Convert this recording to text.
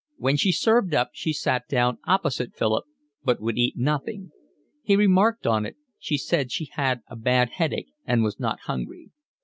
When she served up she sat down opposite Philip, but would eat nothing; he remarked on it; she said she had a bad headache and was not hungry.